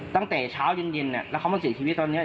ตั้งแต่เช้าเย็นแล้วเขามาเสียชีวิตตอนนี้